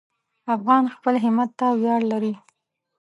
افغان خپل همت ته ویاړ لري.